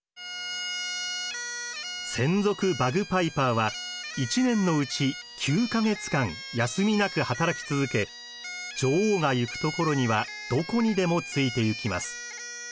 専属バグパイパーは一年のうち９か月間休みなく働き続け女王が行くところにはどこにでもついてゆきます。